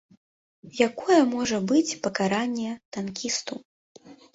Якое можа быць пакаранне танкісту?